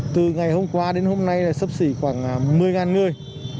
từ ngày hôm qua đến hôm nay là sấp xỉ khoảng một mươi người